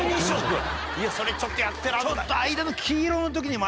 それちょっとやってらんない。